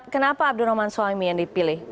kenapa abdurrahman suami yang dipilih